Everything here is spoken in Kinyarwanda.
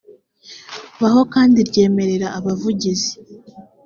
baho kandi ryemerera abavugizi